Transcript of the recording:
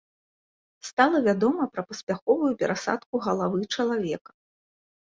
Стала вядома пра паспяховую перасадку галавы чалавека.